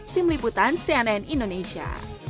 tim liputan cnn indonesia